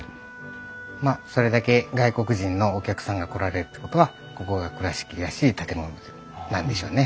まあそれだけ外国人のお客さんが来られるってことはここが倉敷らしい建物なんでしょうね。